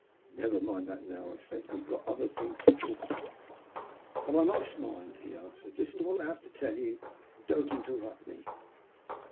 " Never mind that now," I said. " We've got other things to talk about." " But I must mind," he answered. " Listen to what I have to tell you, and don't interrupt me.